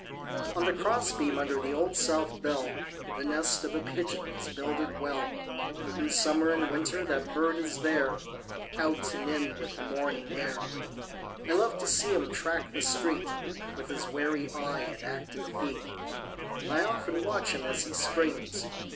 On the cross beam under the Old South bell The nest of a pigeon is builded well. B I li (88) In summer and winter that bird is there, Out and in with the morning air : I love to see him track the street, Witli his wary eye and active feet ; And 1 often watch him as he springs.